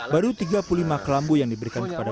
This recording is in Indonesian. baru tiga puluh lima kelambu yang diberikan kepada